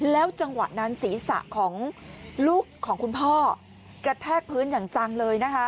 จังหวะนั้นศีรษะของลูกของคุณพ่อกระแทกพื้นอย่างจังเลยนะคะ